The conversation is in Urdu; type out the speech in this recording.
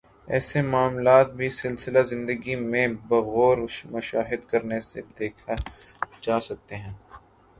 ایسے معاملات بھی سلسلہ زندگی میں بغور مشاہدہ کرنے سے دیکھے جا سکتے ہیں